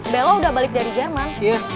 bella udah balik dari jerman